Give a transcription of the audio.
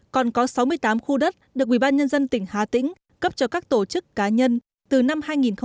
còn có sáu mươi tám khu đất được ủy ban nhân dân tỉnh hà tĩnh cấp cho các tổ chức cá nhân từ năm hai nghìn ba